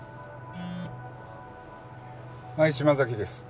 はい島崎です。